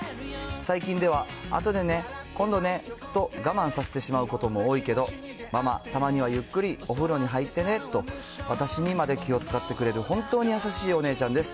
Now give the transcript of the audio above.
最近では、あとでね、今度ねと、我慢させてしまうことも多いけど、ママ、たまにはゆっくりお風呂に入ってねと、私にまで気を遣ってくれる、本当に優しいお姉ちゃんです。